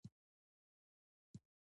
که په اوړي په سفر به څوک وتله